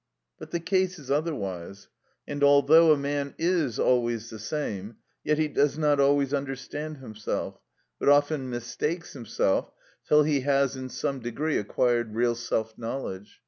But the case is otherwise, and although a man is always the same, yet he does not always understand himself, but often mistakes himself, till he has in some degree acquired real self knowledge.